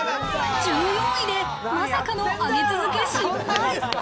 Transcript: １４位で、まさかの上げ続け失敗。